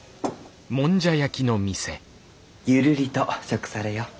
ゆるりと食されよ。